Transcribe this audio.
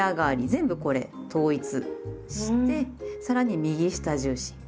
全部これ統一してさらに右下重心。